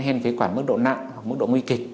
hen phế quản mức độ nặng mức độ nguy kịch